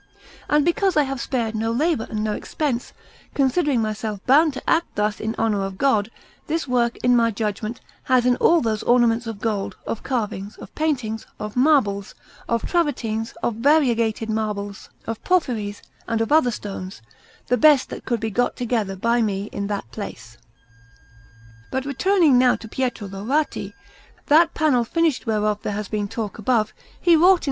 And because I have spared no labour and no expense, considering myself bound to act thus in honour of God, this work, in my judgment, has in all those ornaments of gold, of carvings, of paintings, of marbles, of travertines, of variegated marbles, of porphyries, and of other stones, the best that could be got together by me in that place. But returning now to Pietro Laurati; that panel finished whereof there has been talk above, he wrought in S.